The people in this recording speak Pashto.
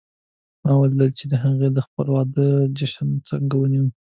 ما ولیدل چې هغې د خپل واده جشن څنګه ونیو